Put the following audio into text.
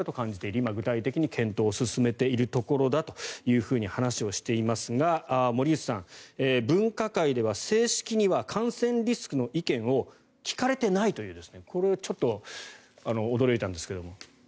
今、具体的に検討を進めているところだと話をしていますが森内さん、分科会では正式には感染リスクの意見を聞かれていないというこれは驚いたんですけど。